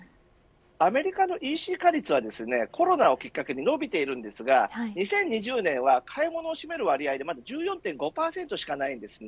アメリカのＥＣ化率はコロナをきっかけに伸びているんですが２０２０年は買い物に占める割合が１４．５％しかないです。